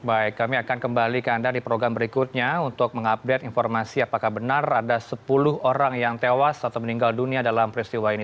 baik kami akan kembali ke anda di program berikutnya untuk mengupdate informasi apakah benar ada sepuluh orang yang tewas atau meninggal dunia dalam peristiwa ini